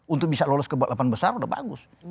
untuk bisa lolos ke balapan besar sudah bagus